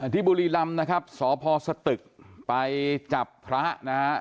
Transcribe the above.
ที่บุรีรำนะครับสพสตึกไปจับพระนะฮะ